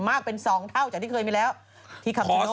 มากเป็น๒เท่าจากที่เคยมีแล้วที่คำชโน